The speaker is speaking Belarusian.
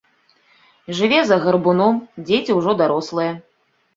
Жыве за гарбуном, дзеці ўжо дарослыя.